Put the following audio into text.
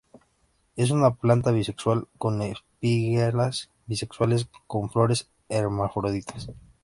Es una planta bisexual, con espiguillas bisexuales; con flores hermafroditas.